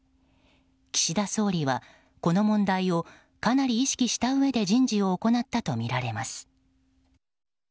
岸田総理はこの問題をかなり意識したうえで人事を行ったとみられます。